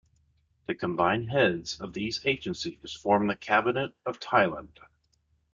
The combined heads of these agencies form the Cabinet of Thailand.